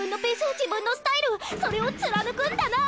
自分のスタイルそれを貫くんだなぁ！